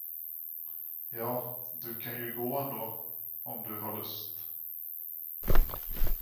Ja, du kan ju gå ändå, om du har lust.